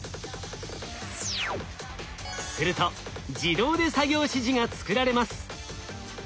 すると自動で作業指示が作られます。